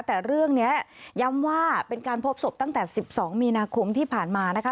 แต่เรื่องนี้ย้ำว่าเป็นการพบศพตั้งแต่๑๒มีนาคมที่ผ่านมานะคะ